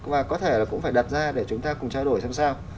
và có thể là cũng phải đặt ra để chúng ta cùng trao đổi làm sao